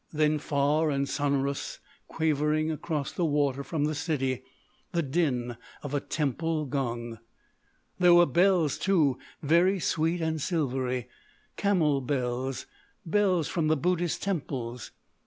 Then, far and sonorous, quavering across the water from the city, the din of a temple gong. There were bells, too—very sweet and silvery—camel bells, bells from the Buddhist temples.